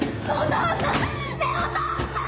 ねぇお父さん！